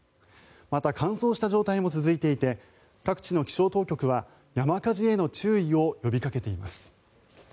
また、乾燥した状態も続いていて各地の気象当局は山火事への注意を呼びかけています。